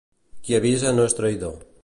Qui avisa no és traïdor.